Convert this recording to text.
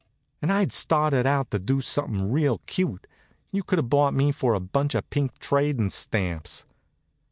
And I'd started out to do something real cute. You could have bought me for a bunch of pink trading stamps.